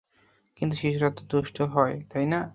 কিন্তু শিশুরা তো দুষ্টুই হয়, তাই না?